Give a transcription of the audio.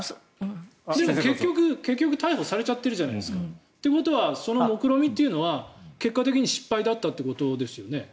結局逮捕されちゃってるじゃないですか。ということはそのもくろみというのは結果的に失敗だったということですよね。